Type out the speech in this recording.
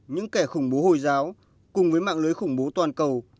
những kẻ khủng bố hồi giáo cùng với mạng lưới khủng bố toàn cầu